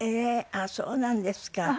あっそうなんですか。